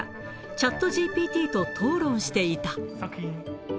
チャットＧＰＴと討論していた。